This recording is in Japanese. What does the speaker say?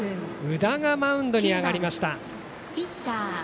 宇田がマウンドに上がりました。